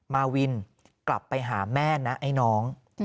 มาวินกลับไปหาแม่นะไอ้น้อง